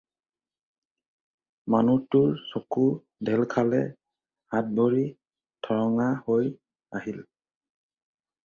মানুহটোৰ চকু ঢেল খালে, হাত-ভৰি ঠৰঙা হৈ আহিল।